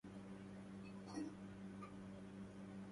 لهذا أنا خرجت